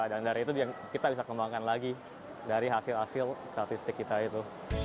dan dari itu kita bisa kembangkan lagi dari hasil hasil statistik kita itu